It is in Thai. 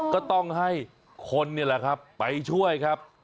ก็ต้องให้คนผ่านไปช่วยครับ